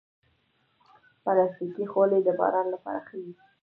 پلاستيکي خولۍ د باران لپاره ښه وي.